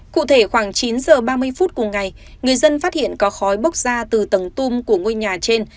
cụ thể khoảng chín h ba mươi phút cùng ngày người dân phát hiện có khói bốc ra từ tầng tung của ngôi nhà trên